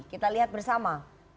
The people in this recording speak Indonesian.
kita lihat bersama